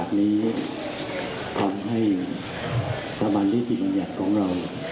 แต่ว่าเมื่อมีความจนเท็จก็ว่าท่านใจว่าจะใช้โอกาสนี้ทำให้สมันฤทธิบัญญัติของเรา